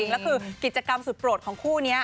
แล้วคือกิจกรรมสุดโปรดของคู่นี้